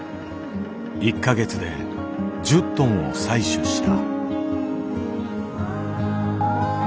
１か月で１０トンを採取した。